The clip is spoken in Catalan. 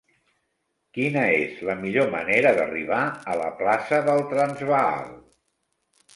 Quina és la millor manera d'arribar a la plaça del Transvaal?